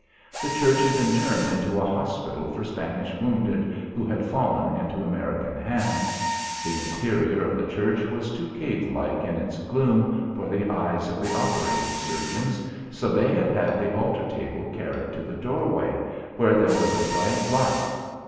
The church had been turned into a hospital for Spanish wounded who had fallen into American hands. The interior of the church was too cave like in its gloom for the eyes of the operating surgeons, so they had had the altar table carried to the doorway, where there was a bright light.